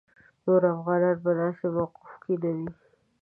نور افغانان په داسې موقف کې نه وو.